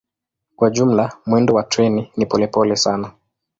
Kwa jumla mwendo wa treni ni polepole sana.